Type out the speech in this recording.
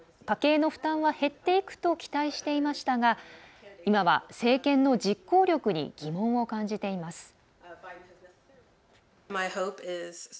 家計の負担は減っていくと期待していましたが今は政権の実行力に疑問を感じています。